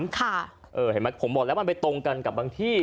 เห็นไหมผมบอกแล้วมันไปตรงกันกับบางที่